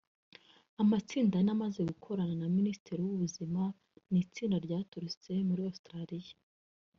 Amatsinda ane amaze gukorana na Minisiteri y’ubuzima ni Itsinda ryaturutse muri Australia